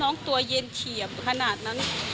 เด็กตัวแค่นั้น